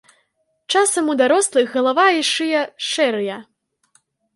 Часам у дарослых галава і шыя шэрыя.